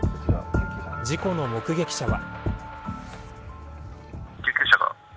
事故の目撃者は。